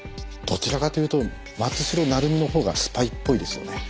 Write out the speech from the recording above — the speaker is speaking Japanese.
どちらかというと松代成実のほうがスパイっぽいですよね。